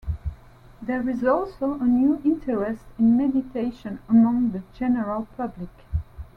There is also a new interest in meditation among the general public.